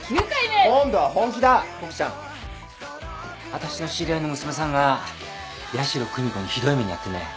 私の知り合いの娘さんが矢代久美子にひどい目に遭ってね。